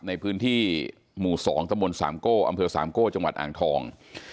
ในพื้นที่หมู่๒ตะมนต์สามโก้อำเภอสามโก้จังหวัดอ่างทอง